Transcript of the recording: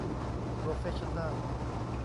โปรเฟสชั่นแนล